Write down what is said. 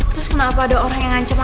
terus kenapa ada orang yang ngancem aku